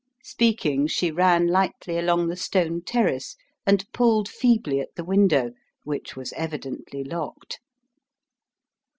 Speaking, she ran lightly along the stone terrace and pulled feebly at the window, which was evidently locked.